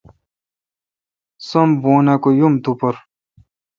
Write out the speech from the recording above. سم بونہ کہ یم تو پر۔